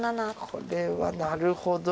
これはなるほど。